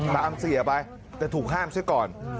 ตามเสียไปแต่ถูกห้ามซะก่อน